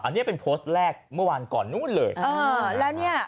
อันนี้เป็นโพสต์แรกเมื่อวานก่อนนู้นเลยเออแล้วเนี่ย